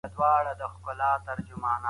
د ماشومانو فطرت د پلټني په لور ځي.